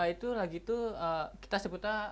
itu lagi itu kita sebutnya